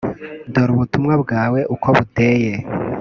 Dore ubutumwa bwe uko buteye